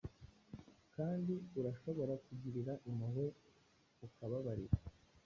Kandi urashobora kugirira impuhwe ukababarira? '